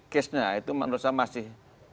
case nya itu menurut saya masih